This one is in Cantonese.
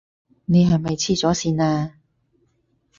你係咪痴咗線呀？